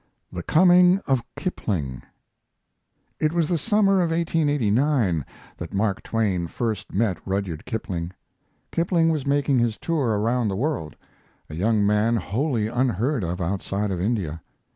THE COMING OF KIPLING It was the summer of 1889 that Mark Twain first met Rudyard Kipling. Kipling was making his tour around the world, a young man wholly unheard of outside of India.